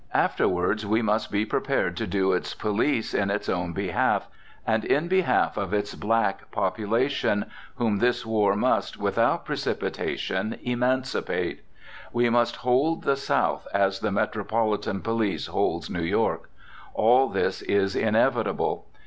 Afterward we must be prepared to do its police in its own behalf, and in behalf of its black population, whom this war must, without precipitation, emancipate. We must hold the South as the metropolitan police holds New York. All this is inevitable.